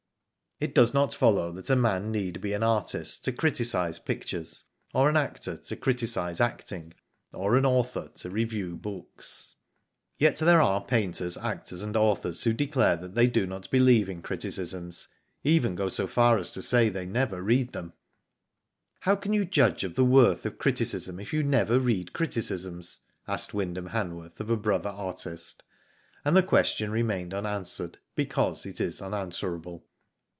It does not follow that a man need be an artist to criticise pictures, or an actor to criticise acting, or an author to review books. Digitized byGoogk 42 lVJ/0 DID IT? Yet there are painters, actors, and authors who declare they do not believe in criticisms, even go so far as to say they never read them. "How can you judge of the worth of criticism if you never read criticisms ?" asked Wynd ham Hanworth of a brother .artist; and the ques tion remained unanswered because it is unanswer able.